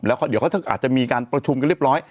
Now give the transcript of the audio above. แล้วเดี๋ยวเขาอาจจะมีการประชุมกันเรียบร้อย